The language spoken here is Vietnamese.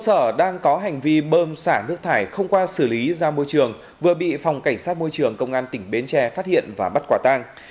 sở đang có hành vi bơm xả nước thải không qua xử lý ra môi trường vừa bị phòng cảnh sát môi trường công an tỉnh bến tre phát hiện và bắt quả tang